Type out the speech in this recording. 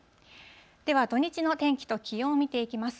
では土日の天気と気温を見ていきます。